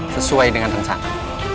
sesuai dengan rencana